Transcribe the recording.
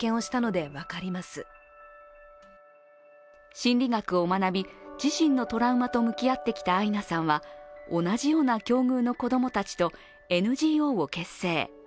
心理学を学び、自身のトラウマと向き合ってきたアイナさんは、同じような境遇の子供たちとＮＧＯを結成。